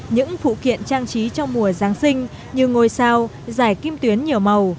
những phụ kiện trang trí trong mùa giáng sinh như ngôi sao giải kim tuyến nhiều màu